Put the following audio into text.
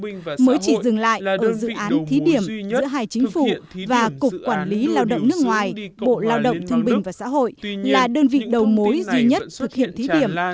mới chỉ dừng lại được dự án thí điểm giữa hai chính phủ và cục quản lý lao động nước ngoài bộ lao động thương bình và xã hội là đơn vị đầu mối duy nhất thực hiện thí điểm